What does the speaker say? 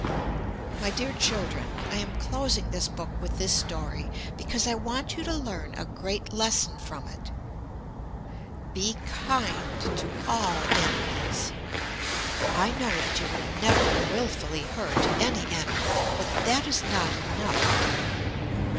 My dear children, I am closing this book with this story, because I want you to learn a great lesson from it: be kind to all animals. I know that you would never willfully hurt any animal. But that is not enough.